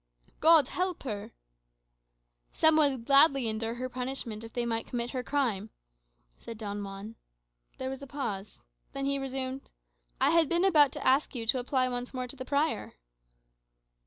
"God help her!" "Some would gladly endure her punishment if they might commit her crime," said Don Juan. There was a pause; then he resumed, "I had been about to ask you to apply once more to the prior."